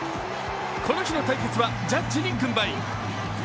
この日の対決はジャッジに軍配。